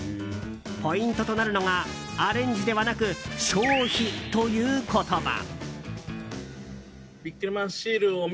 ポイントとなるのがアレンジではなく消費という言葉。